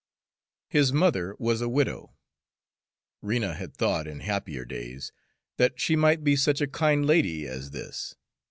His mother was a widow; Rena had thought, in happier days, that she might be such a kind lady as this.